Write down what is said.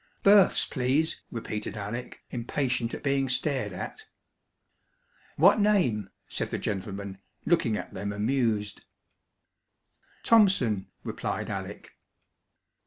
"Births, please," repeated Alec, impatient at being stared at. "What name?" said the gentleman, looking at them amused. "Thompson," replied Alec.